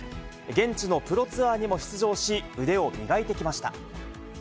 現地のプロツアーにも出場し、腕を磨いてきました。